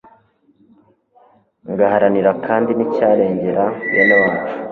ngaharanira kandi n'icyarengera bene wacu